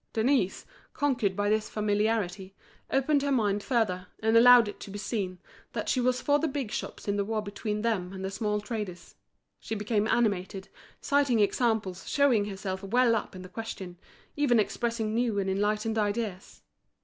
Denise, conquered by this familiarity, opened her mind further, and allowed it to be seen that she was for the big shops in the war between them and the small traders: she became animated, citing examples, showing herself well up in the question, even expressing new and enlightened ideas.